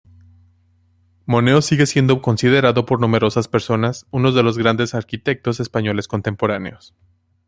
Moneo sigue siendo considerado por numerosas personas uno de los grandes arquitectos españoles contemporáneos.